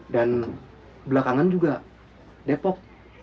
dan belakangan juga depok